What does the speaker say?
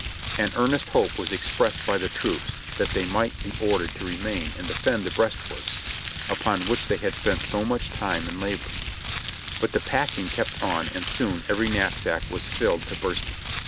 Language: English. An earnest hope was expressed by the troops that they yet might be ordered to remain and defend the breastworks upon which they had spent so much time and labor ; but the pack ing kept on and soon every knapsack was filled to bursting.